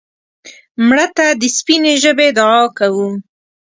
مړه ته د سپینې ژبې دعا کوو